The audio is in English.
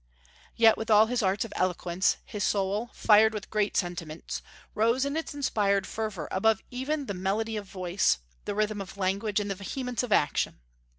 Yet with all his arts of eloquence his soul, fired with great sentiments, rose in its inspired fervor above even the melody of voice, the rhythm of language, and the vehemence of action.